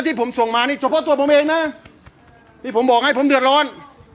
ที่ผมส่งมานี่เฉพาะตัวผมเองนะที่ผมบอกให้ผมเดือดร้อน